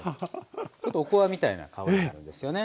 ちょっとおこわみたいな香りになるんですよね。